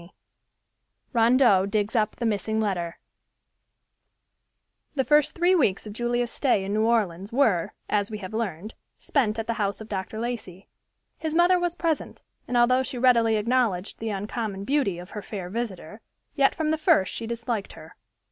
CHAPTER XX RONDEAU DIGS UP THE MISSING LETTER The first three weeks of Julia's stay in New Orleans were, as we have learned, spent at the house of Dr. Lacey. His mother was present, and although she readily acknowledged the uncommon beauty of her fair visitor, yet from the first she disliked her.